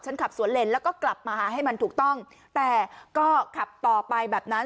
ขับสวนเลนแล้วก็กลับมาหาให้มันถูกต้องแต่ก็ขับต่อไปแบบนั้น